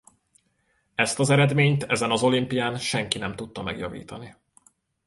Ezt az eredményt ezen az olimpián senki nem tudta megjavítani.